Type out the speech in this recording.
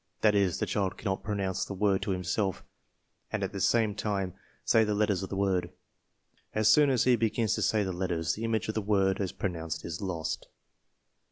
That is, the child cannot pronounce the word to himself and at the same time say the letters of the word. As soon as he begins to say the letters, the image of the word as pronounced is lost.